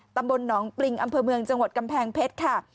ตำบลหนองปริงอำเภอเมืองจังหวัดกำแพงเพชรค่ะ